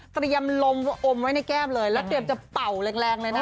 เตรียมลมอมไว้ในแก้มเลยแล้วเตรียมจะเป่าแรงเลยนะ